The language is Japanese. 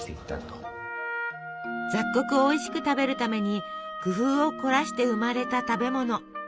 雑穀をおいしく食べるために工夫を凝らして生まれた食べ物。